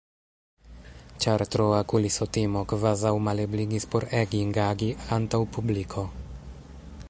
Ĉar troa kulisotimo kvazaŭ malebligis por Egging agi antaŭ publiko.